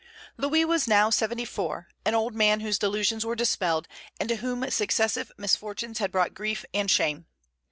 Louis was now seventy four, an old man whose delusions were dispelled, and to whom successive misfortunes had brought grief and shame.